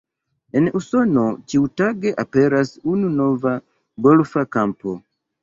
En Usono ĉiutage aperas unu nova golfa kampo.